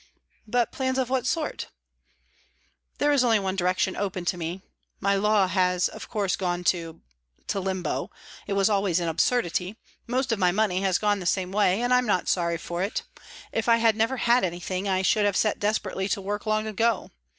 "But plans of what sort?" "There is only one direction open to me. My law has of course gone to to limbo; it was always an absurdity. Most of my money has gone the same way, and I'm not sorry for it. If I had never had anything, I should have set desperately to work long ago.